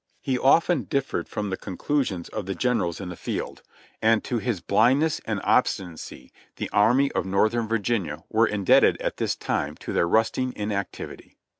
He often differed from the conclusions of the generals in the field; y^ JOHNNY REB AND BII,I,Y YANK and to his blindness and obstinacy the Army of Northern Virginia were indebted at this time to their rusting inactivity.